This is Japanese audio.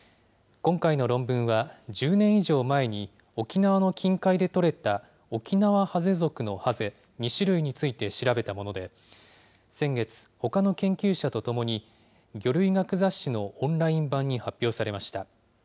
今回の論文は、１０年以上前に沖縄の近海で取れたオキナワハゼ属のハゼ２種類について調べたもので、先月、ほかの研究者と共に、魚類学雑誌のオンライン版に発表されました。